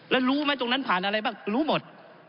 แล้วรู้ไหมตรงนั้นผ่านอะไรบ้างรู้หมด